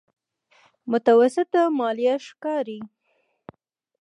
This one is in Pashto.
متوسطه ماليه ښکاري.